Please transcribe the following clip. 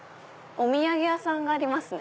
お土産屋さんがありますね。